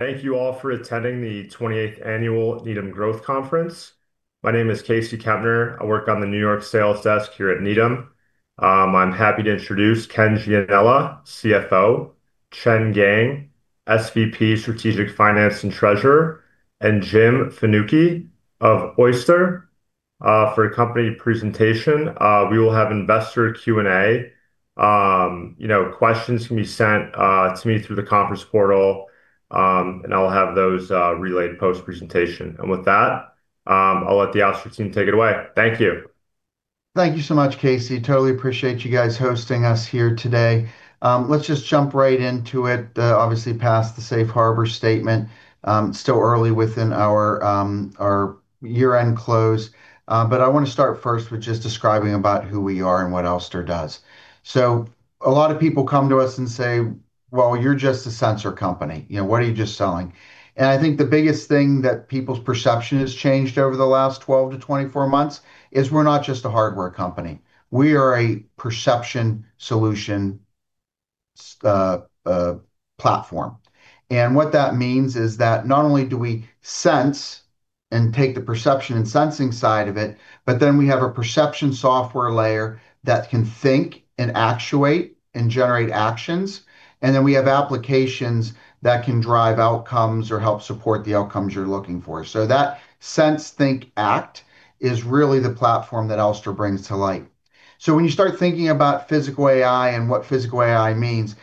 Thank you all for attending the 28th Annual Needham Growth Conference. My name is Casey Huebner. I work on the New York sales desk here at Needham. I'm happy to introduce Ken Gianella, CFO, Chen Geng, SVP, Strategic Finance and Treasurer, and Jim Fanucchi of Ouster. For a company presentation, we will have investor Q&A. Questions can be sent to me through the conference portal, and I'll have those relayed post-presentation. With that, I'll let the outside team take it away. Thank you. Thank you so much, Casey. Totally appreciate you guys hosting us here today. Let's just jump right into it, obviously past the safe harbor statement. It's still early within our year end close, but I want to start first with just describing about who we are and what Ouster does. So a lot of people come to us and say, "Well, you're just a sensor company. What are you just selling?" and I think the biggest thing that people's perception has changed over the last 12 to 24 months is we're not just a hardware company. We are a perception solution platform, and what that means is that not only do we sense and take the perception and sensing side of it, but then we have a perception software layer that can think and actuate and generate actions. Then we have applications that can drive outcomes or help support the outcomes you're looking for. That sense, think, act is really the platform that Ouster brings to light. When you start thinking about physical AI and what physical AI means,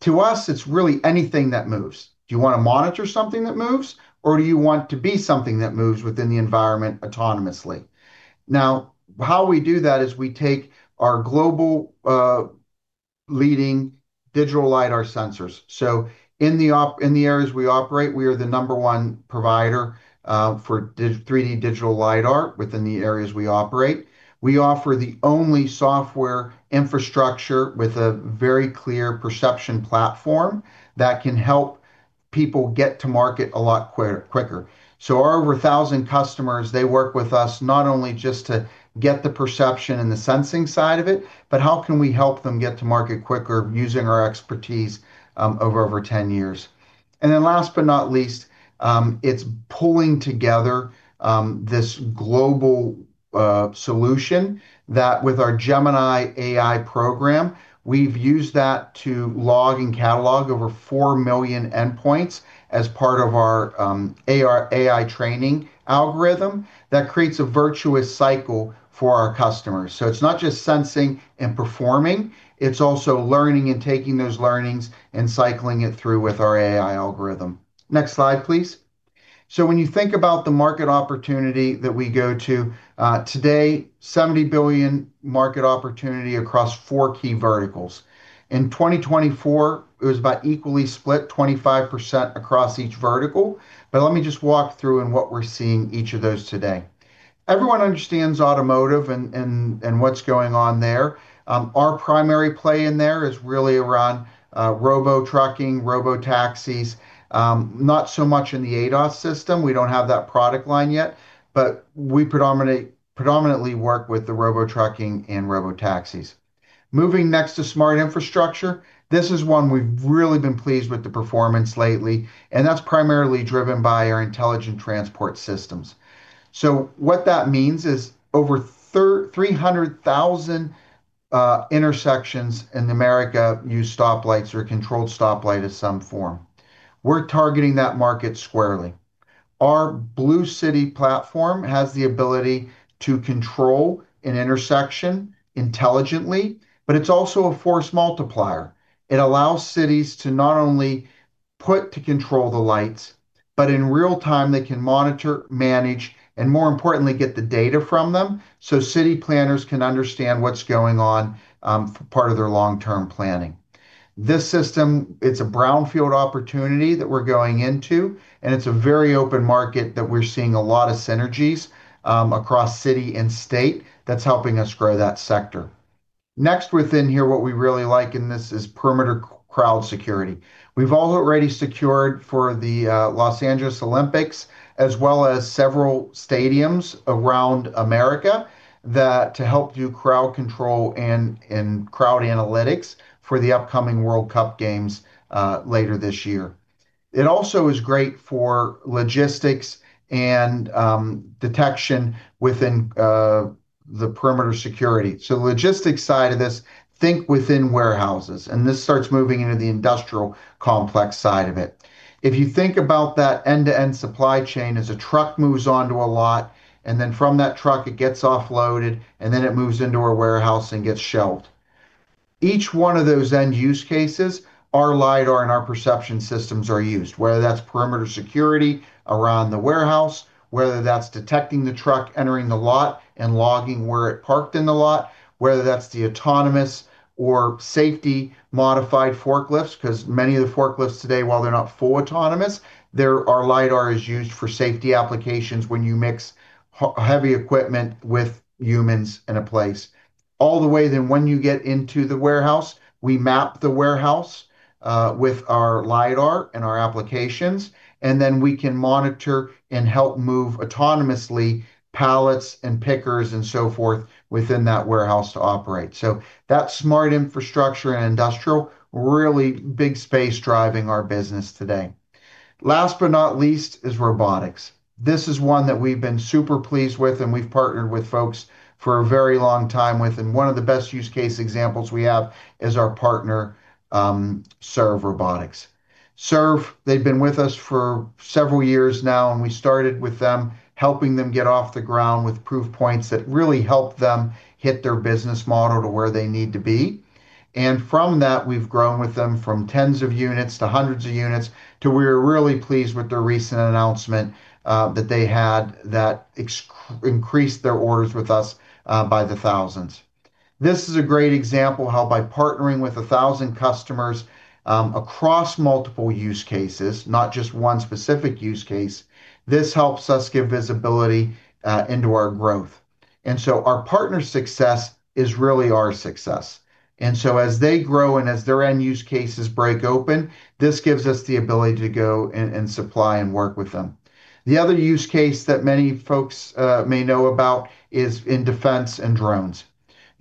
to us, it's really anything that moves. Do you want to monitor something that moves, or do you want to be something that moves within the environment autonomously? Now, how we do that is we take our global leading digital lidar sensors. In the areas we operate, we are the number one provider for 3D digital lidar within the areas we operate. We offer the only software infrastructure with a very clear perception platform that can help people get to market a lot quicker. So our over 1,000 customers, they work with us not only just to get the perception and the sensing side of it, but how can we help them get to market quicker using our expertise over 10 years? And then last but not least, it's pulling together this global solution that, with our Gemini AI program, we've used that to log and catalog over four million endpoints as part of our AI training algorithm that creates a virtuous cycle for our customers. So it's not just sensing and performing. It's also learning and taking those learnings and cycling it through with our AI algorithm. Next slide, please. So when you think about the market opportunity that we go to today, $70 billion market opportunity across four key verticals. In 2024, it was about equally split, 25% across each vertical. But let me just walk through what we're seeing each of those today. Everyone understands automotive and what's going on there. Our primary play in there is really around robo trucking, robo taxis, not so much in the ADAS system. We don't have that product line yet, but we predominantly work with the robo trucking and robo taxis. Moving next to smart infrastructure, this is one we've really been pleased with the performance lately, and that's primarily driven by our intelligent transport systems. So what that means is over 300,000 intersections in America use stoplights or controlled stoplight of some form. We're targeting that market squarely. Our Blue City platform has the ability to control an intersection intelligently, but it's also a force multiplier. It allows cities to not only put in to control the lights, but in real time, they can monitor, manage, and more importantly, get the data from them so city planners can understand what's going on for part of their long-term planning. This system, it's a brownfield opportunity that we're going into, and it's a very open market that we're seeing a lot of synergies across city and state that's helping us grow that sector. Next within here, what we really like in this is perimeter crowd security. We've already secured for the Los Angeles Olympics, as well as several stadiums around America to help do crowd control and crowd analytics for the upcoming World Cup games later this year. It also is great for logistics and detection within the perimeter security. So the logistics side of this, think within warehouses, and this starts moving into the industrial complex side of it. If you think about that end-to-end supply chain as a truck moves onto a lot, and then from that truck, it gets offloaded, and then it moves into a warehouse and gets shelved. Each one of those end use cases, our lidar and our perception systems are used, whether that's perimeter security around the warehouse, whether that's detecting the truck entering the lot and logging where it parked in the lot, whether that's the autonomous or safety modified forklifts, because many of the forklifts today, while they're not full autonomous, our lidar is used for safety applications when you mix heavy equipment with humans in a place. All the way then when you get into the warehouse, we map the warehouse with our lidar and our applications, and then we can monitor and help move autonomously pallets and pickers and so forth within that warehouse to operate, so that smart infrastructure and industrial, really big space driving our business today. Last but not least is robotics. This is one that we've been super pleased with, and we've partnered with folks for a very long time with, and one of the best use case examples we have is our partner, Serve Robotics. Serve, they've been with us for several years now, and we started with them helping them get off the ground with proof points that really helped them hit their business model to where they need to be. And from that, we've grown with them from tens of units to hundreds of units to we are really pleased with the recent announcement that they had that increased their orders with us by the thousands. This is a great example how by partnering with 1,000 customers across multiple use cases, not just one specific use case, this helps us give visibility into our growth. And so our partner success is really our success. And so as they grow and as their end use cases break open, this gives us the ability to go and supply and work with them. The other use case that many folks may know about is in defense and drones.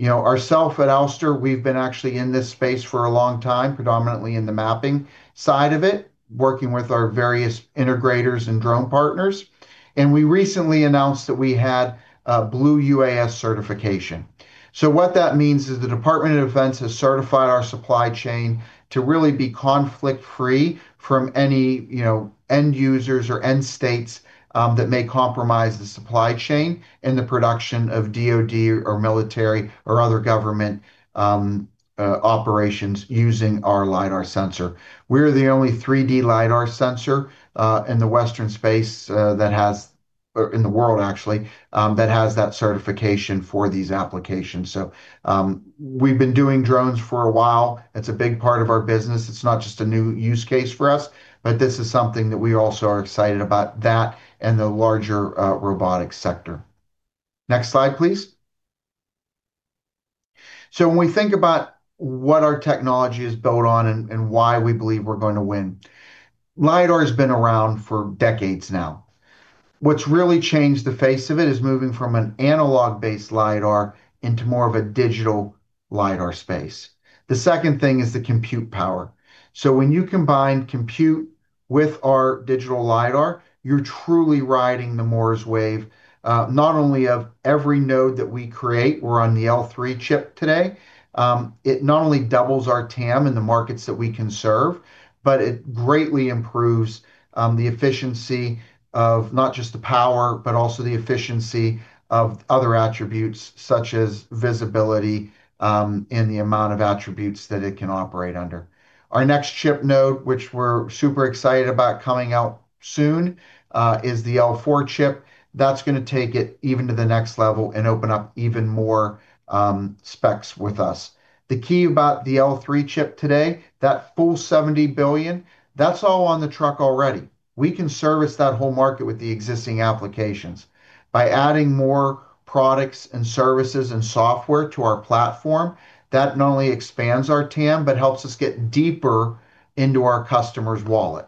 Ourselves at Ouster, we've been actually in this space for a long time, predominantly in the mapping side of it, working with our various integrators and drone partners. We recently announced that we had Blue UAS certification. What that means is the Department of Defense has certified our supply chain to really be conflict-free from any end users or end states that may compromise the supply chain and the production of DoD or military or other government operations using our lidar sensor. We're the only 3D lidar sensor in the Western space that has, or in the world actually, that has that certification for these applications. We've been doing drones for a while. It's a big part of our business. It's not just a new use case for us, but this is something that we also are excited about that and the larger robotics sector. Next slide, please. When we think about what our technology is built on and why we believe we're going to win, lidar has been around for decades now. What's really changed the face of it is moving from an analog-based lidar into more of a digital lidar space. The second thing is the compute power. So when you combine compute with our digital lidar, you're truly riding the wave of Moore's Law, not only of every node that we create. We're on the L3 chip today. It not only doubles our TAM in the markets that we can serve, but it greatly improves the efficiency of not just the power, but also the efficiency of other attributes such as visibility and the amount of attributes that it can operate under. Our next chip node, which we're super excited about coming out soon, is the L4 chip. That's going to take it even to the next level and open up even more specs with us. The key about the L3 Chip today, that full 70 billion, that's all on the truck already. We can service that whole market with the existing applications. By adding more products and services and software to our platform, that not only expands our TAM, but helps us get deeper into our customer's wallet.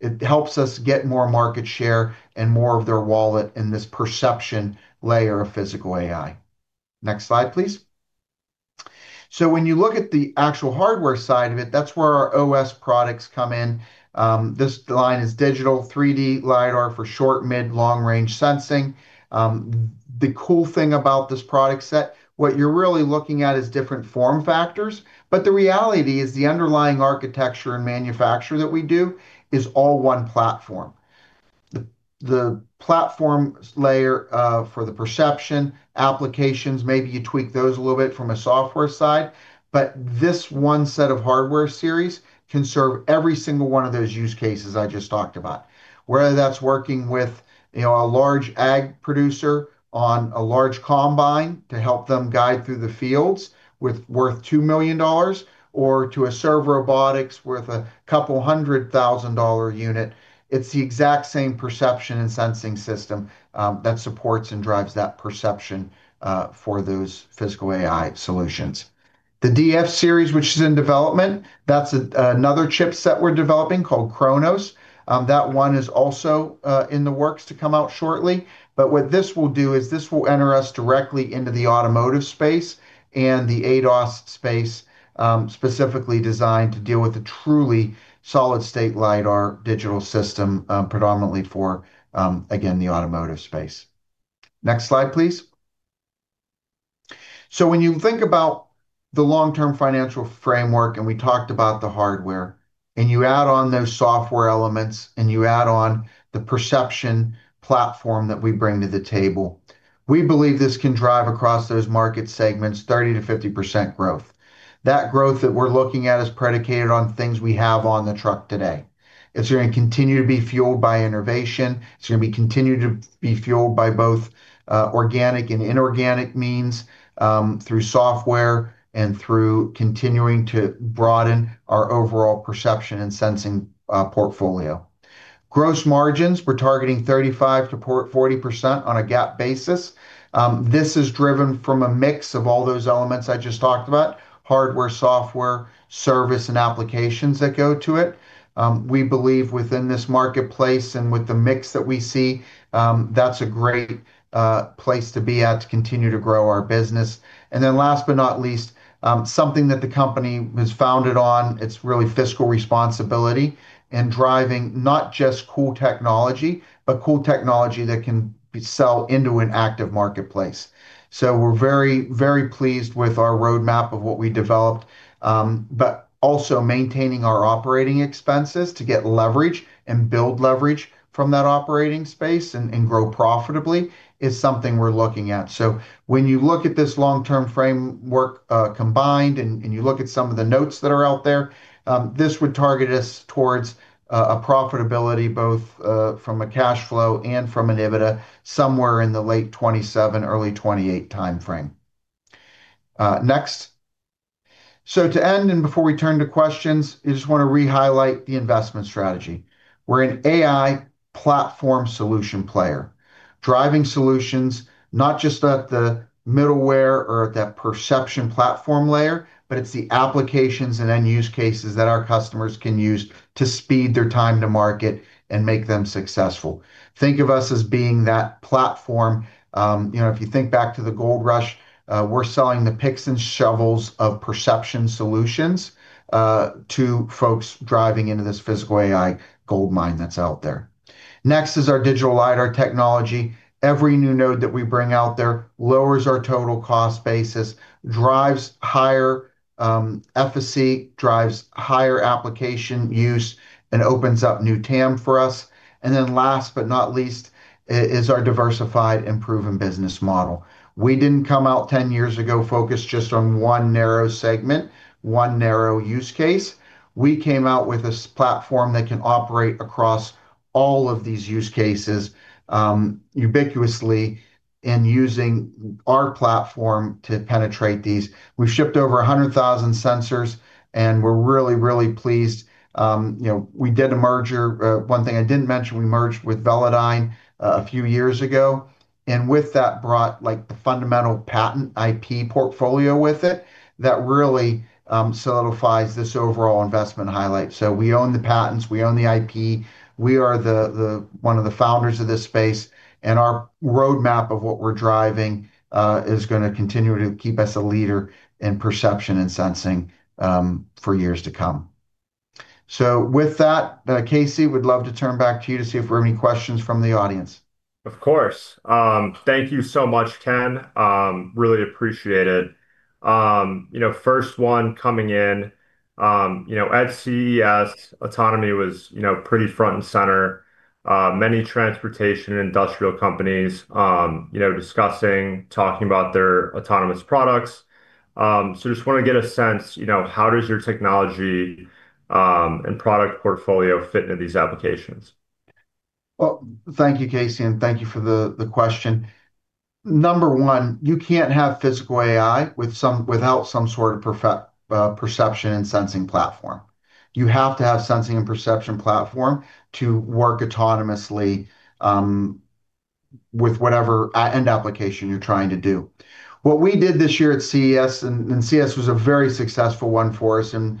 It helps us get more market share and more of their wallet in this perception layer of physical AI. Next slide, please. So when you look at the actual hardware side of it, that's where our OS products come in. This line is digital 3D lidar for short, mid, long-range sensing. The cool thing about this product set, what you're really looking at is different form factors, but the reality is the underlying architecture and manufacture that we do is all one platform. The platform layer for the perception applications, maybe you tweak those a little bit from a software side, but this one set of hardware series can serve every single one of those use cases I just talked about. Whether that's working with a large ag producer on a large combine to help them guide through the fields worth $2 million, or to Serve Robotics with a couple hundred thousand dollar unit, it's the exact same perception and sensing system that supports and drives that perception for those physical AI solutions. The DF series, which is in development, that's another chip set we're developing called Chronos. That one is also in the works to come out shortly. But what this will do is this will enter us directly into the automotive space and the ADAS space, specifically designed to deal with a truly solid-state lidar digital system predominantly for, again, the automotive space. Next slide, please. So when you think about the long-term financial framework, and we talked about the hardware, and you add on those software elements, and you add on the perception platform that we bring to the table, we believe this can drive across those market segments 30%-50% growth. That growth that we're looking at is predicated on things we have on the truck today. It's going to continue to be fueled by innovation. It's going to be continued to be fueled by both organic and inorganic means through software and through continuing to broaden our overall perception and sensing portfolio. Gross margins, we're targeting 35%-40% on a GAAP basis. This is driven from a mix of all those elements I just talked about: hardware, software, service, and applications that go to it. We believe within this marketplace and with the mix that we see, that's a great place to be at to continue to grow our business. And then last but not least, something that the company was founded on, it's really fiscal responsibility and driving not just cool technology, but cool technology that can be sold into an active marketplace. So we're very, very pleased with our roadmap of what we developed, but also maintaining our operating expenses to get leverage and build leverage from that operating space and grow profitably is something we're looking at. So when you look at this long-term framework combined and you look at some of the notes that are out there, this would target us towards a profitability both from a cash flow and from an EBITDA somewhere in the late 2027, early 2028 timeframe. Next. So to end, and before we turn to questions, I just want to re-highlight the investment strategy. We're an AI platform solution player, driving solutions, not just at the middleware or at that perception platform layer, but it's the applications and end use cases that our customers can use to speed their time to market and make them successful. Think of us as being that platform. If you think back to the gold rush, we're selling the picks and shovels of perception solutions to folks driving into this physical AI gold mine that's out there. Next is our digital lidar technology. Every new node that we bring out there lowers our total cost basis, drives higher efficacy, drives higher application use, and opens up new TAM for us. And then last but not least is our diversified and proven business model. We didn't come out 10 years ago focused just on one narrow segment, one narrow use case. We came out with a platform that can operate across all of these use cases ubiquitously and using our platform to penetrate these. We've shipped over 100,000 sensors, and we're really, really pleased. We did a merger. One thing I didn't mention, we merged with Velodyne a few years ago, and with that brought the fundamental patent IP portfolio with it that really solidifies this overall investment highlight. So we own the patents. We own the IP. We are one of the founders of this space, and our roadmap of what we're driving is going to continue to keep us a leader in perception and sensing for years to come. With that, Casey, we'd love to turn back to you to see if we have any questions from the audience. Of course. Thank you so much, Ken. Really appreciate it. First one coming in, at CES, autonomy was pretty front and center. Many transportation and industrial companies discussing, talking about their autonomous products. Just want to get a sense, how does your technology and product portfolio fit into these applications? Thank you, Casey, and thank you for the question. Number one, you can't have physical AI without some sort of perception and sensing platform. You have to have sensing and perception platform to work autonomously with whatever end application you're trying to do. What we did this year at CES, and CES was a very successful one for us, and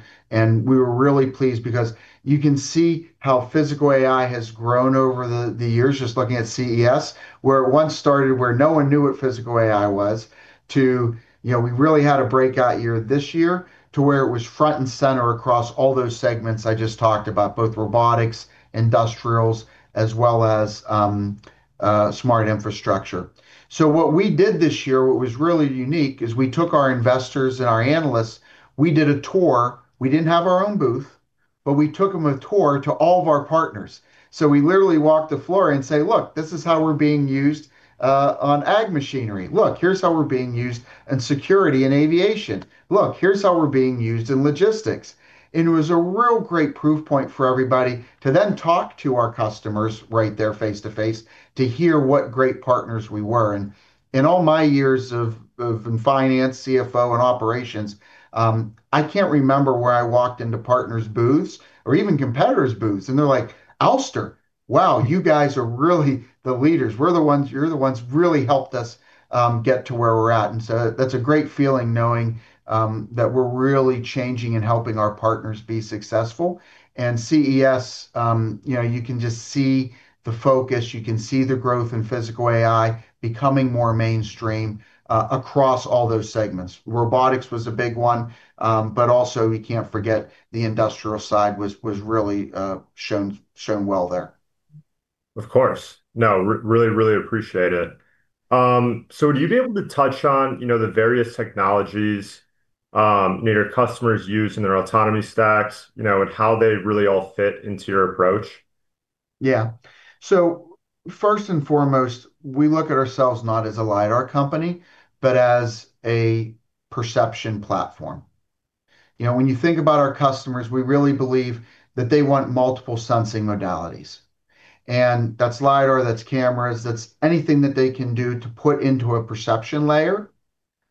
we were really pleased because you can see how physical AI has grown over the years just looking at CES, where it once started, where no one knew what physical AI was, to we really had a breakout year this year, to where it was front and center across all those segments I just talked about, both robotics, industrials, as well as smart infrastructure. So what we did this year, what was really unique, is we took our investors and our analysts, we did a tour. We didn't have our own booth, but we took them a tour to all of our partners. So we literally walked the floor and said, "Look, this is how we're being used on ag machinery. Look, here's how we're being used in security and aviation. Look, here's how we're being used in logistics," and it was a real great proof point for everybody to then talk to our customers right there face to face to hear what great partners we were. In all my years of finance, CFO, and operations, I can't remember where I walked into partners' booths or even competitors' booths, and they're like, "Ouster, wow, you guys are really the leaders. You're the ones really helped us get to where we're at." That's a great feeling knowing that we're really changing and helping our partners be successful. CES, you can just see the focus. You can see the growth in physical AI becoming more mainstream across all those segments. Robotics was a big one, but also we can't forget the industrial side was really shown well there. Of course. No, really, really appreciate it. So would you be able to touch on the various technologies your customers use in their autonomy stacks and how they really all fit into your approach? Yeah. So first and foremost, we look at ourselves not as a lidar company, but as a perception platform. When you think about our customers, we really believe that they want multiple sensing modalities. And that's lidar, that's cameras, that's anything that they can do to put into a perception layer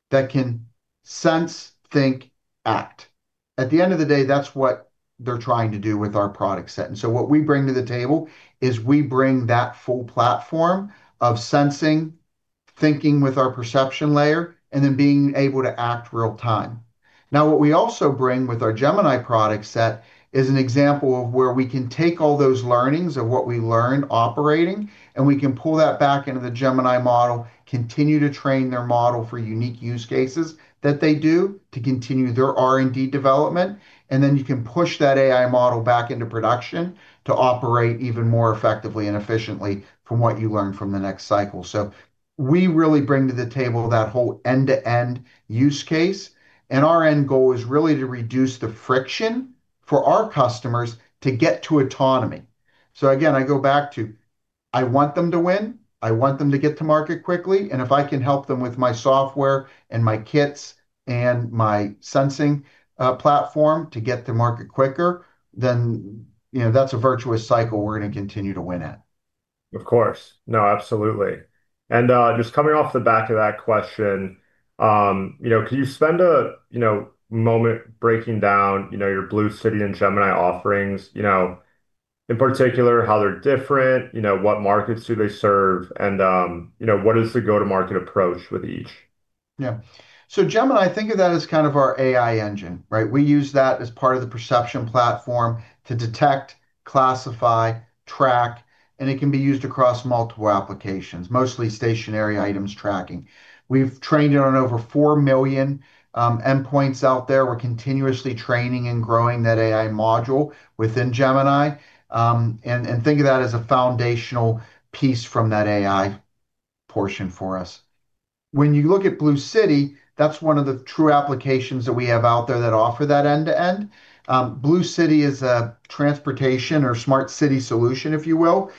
that can sense, think, act. At the end of the day, that's what they're trying to do with our product set. And so what we bring to the table is we bring that full platform of sensing, thinking with our perception layer, and then being able to act real-time. Now, what we also bring with our Gemini product set is an example of where we can take all those learnings of what we learned operating, and we can pull that back into the Gemini model, continue to train their model for unique use cases that they do to continue their R&D development, and then you can push that AI model back into production to operate even more effectively and efficiently from what you learned from the next cycle, so we really bring to the table that whole end-to-end use case, and our end goal is really to reduce the friction for our customers to get to autonomy, so again, I go back to, I want them to win. I want them to get to market quickly. And if I can help them with my software and my kits and my sensing platform to get to market quicker, then that's a virtuous cycle we're going to continue to win at. Of course. No, absolutely. And just coming off the back of that question, could you spend a moment breaking down your Blue City and Gemini offerings, in particular, how they're different, what markets do they serve, and what is the go-to-market approach with each? Yeah. So Gemini, think of that as kind of our AI engine, right? We use that as part of the Perception Platform to detect, classify, track, and it can be used across multiple applications, mostly stationary items tracking. We've trained it on over 4 million endpoints out there. We're continuously training and growing that AI module within Gemini. And think of that as a foundational piece from that AI portion for us. When you look at Blue City, that's one of the true applications that we have out there that offer that end-to-end. Blue City is a transportation or smart city solution, if you will.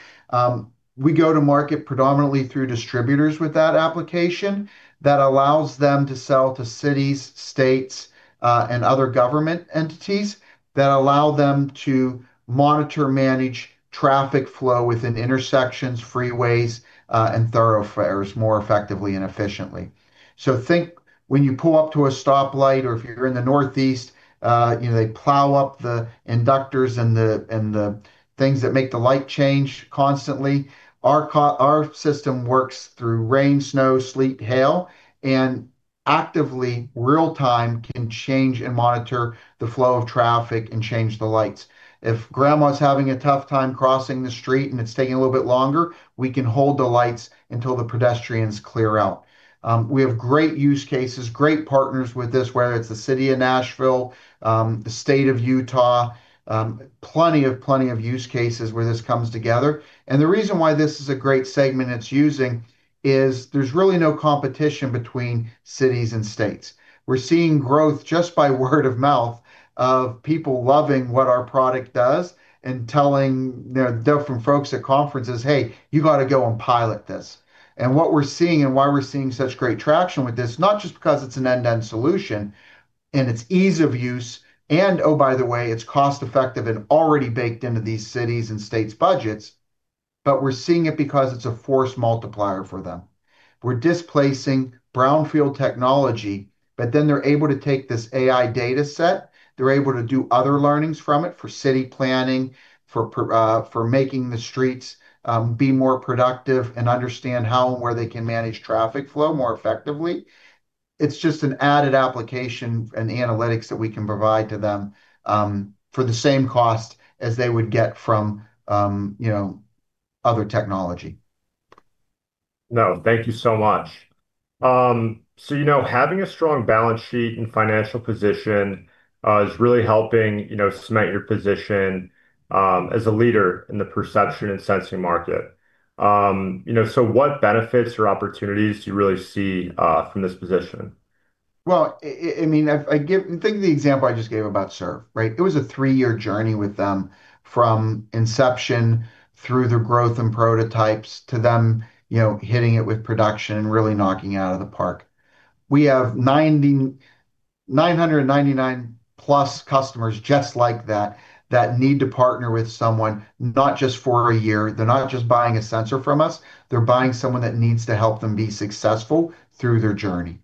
We go to market predominantly through distributors with that application that allows them to sell to cities, states, and other government entities that allow them to monitor, manage traffic flow within intersections, freeways, and thoroughfares more effectively and efficiently. So think when you pull up to a stoplight or if you're in the northeast, they plow up the inductors and the things that make the light change constantly. Our system works through rain, snow, sleet, hail, and actively, real-time can change and monitor the flow of traffic and change the lights. If grandma's having a tough time crossing the street and it's taking a little bit longer, we can hold the lights until the pedestrians clear out. We have great use cases, great partners with this, whether it's the city of Nashville, the state of Utah, plenty of use cases where this comes together. And the reason why this is a great segment it's using is there's really no competition between cities and states. We're seeing growth just by word of mouth of people loving what our product does and telling different folks at conferences, "Hey, you got to go and pilot this." And what we're seeing and why we're seeing such great traction with this, not just because it's an end-to-end solution and it's ease of use and, oh, by the way, it's cost-effective and already baked into these cities and states' budgets, but we're seeing it because it's a force multiplier for them. We're displacing Brownfield technology, but then they're able to take this AI dataset. They're able to do other learnings from it for city planning, for making the streets be more productive and understand how and where they can manage traffic flow more effectively. It's just an added application and analytics that we can provide to them for the same cost as they would get from other technology. No, thank you so much. So having a strong balance sheet and financial position is really helping cement your position as a leader in the perception and sensing market. So what benefits or opportunities do you really see from this position? Well, I mean, think of the example I just gave about Serve, right? It was a 3 year journey with them from inception through the growth and prototypes to them hitting it with production and really knocking it out of the park. We have 999-plus customers just like that that need to partner with someone, not just for a year. They're not just buying a sensor from us. They're buying someone that needs to help them be successful through their journey.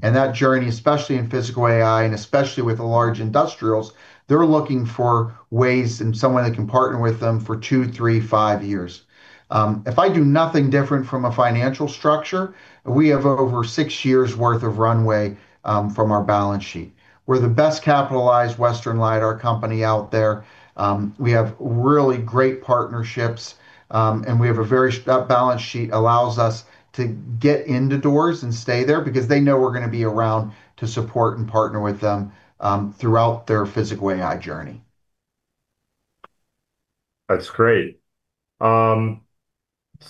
And that journey, especially in physical AI and especially with large industrials, they're looking for ways and someone that can partner with them for two, three, five years. If I do nothing different from a financial structure, we have over six years' worth of runway from our balance sheet. We're the best-capitalized Western lidar company out there. We have really great partnerships, and we have a very strong balance sheet that allows us to get into doors and stay there because they know we're going to be around to support and partner with them throughout their physical AI journey. That's great. Let's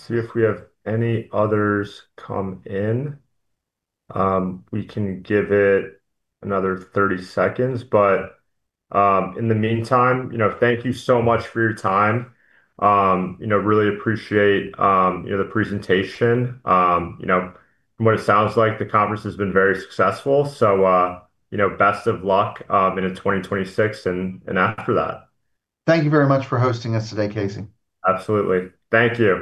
see if we have any others come in. We can give it another 30 seconds. But in the meantime, thank you so much for your time. Really appreciate the presentation. From what it sounds like, the conference has been very successful. So best of luck in 2026 and after that. Thank you very much for hosting us today, Casey. Absolutely. Thank you.